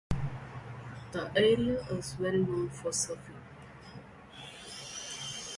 The area is well known for surfing.